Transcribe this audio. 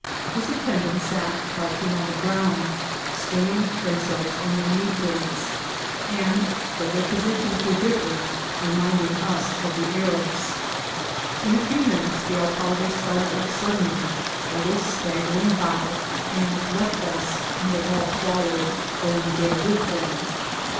His attendants sat crouching on the ground, swinging themselves on their knee joints, and, though the positions were different, re VoL. I.— Q 11 128 INC1D1NT8 OF TRATSL. minding xm of the Arabs. In a few minutes the alcalde started iq> suddenly, made a staggering bow, and left as, and they all followed, D<m Miguel widi them.